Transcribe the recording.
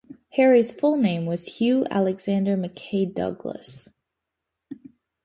Harry's full name was Hugh Alexander McKay Douglas.